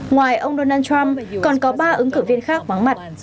ngoài ông donald trump còn có ba ứng cử viên khác vắng mặt